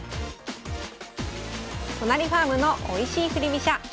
「都成ファームのおいしい振り飛車」。